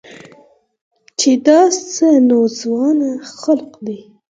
چې دا څه ناځوانه خلق دي.